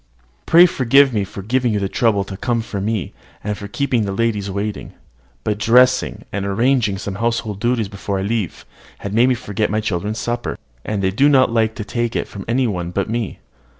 "Pray forgive me for giving you the trouble to come for me, and for keeping the ladies waiting: but dressing, and arranging some household duties before I leave, had made me forget my children's supper; and they do not like to take it from any one but me."